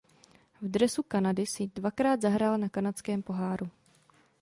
V dresu Kanady si dvakrát zahrál na Kanadském poháru.